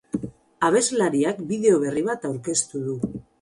Abeslariak bideo berri bat aurkeztu du.